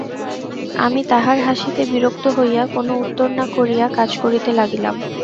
আমি তাহার হাসিতে বিরক্ত হইয়া কোনো উত্তর না করিয়া কাজ করিতে লাগিলাম।